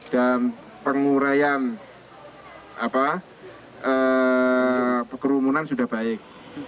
dan pengurayan kerumunan sudah baik